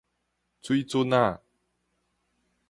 水圳仔